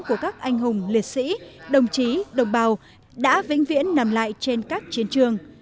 của các anh hùng liệt sĩ đồng chí đồng bào đã vĩnh viễn nằm lại trên các chiến trường